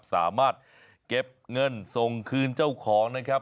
สามารถเก็บเงินส่งคืนเจ้าของนะครับ